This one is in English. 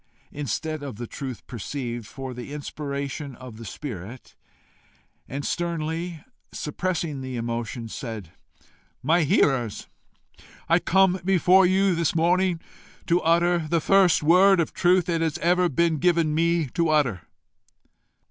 instead of the truth perceived, for the inspiration of the spirit; and, sternly suppressing the emotion, said, "My hearers, I come before you this morning to utter the first word of truth it has ever been given to ME to utter."